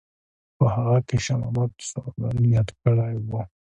په هغه کې شاه محمد سوګند یاد کړی وو.